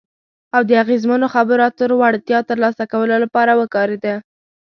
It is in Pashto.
او د اغیزمنو خبرو اترو وړتیا ترلاسه کولو لپاره وکارېده.